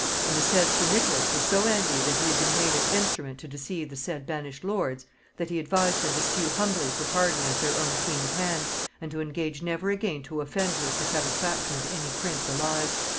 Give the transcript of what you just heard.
And the said sir Nicholas was so angry that he had been made an instrument to deceive the said banished lords, that he advised them to sue humbly for pardon at their own queen's hand, and to engage never again to offend her for satisfaction of any prince alive.